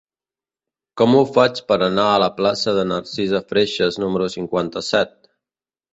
Com ho faig per anar a la plaça de Narcisa Freixas número cinquanta-set?